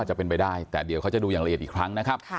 น้องว่าได้ยินกันเลยนะ